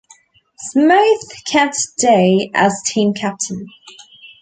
Smythe kept Day as team captain.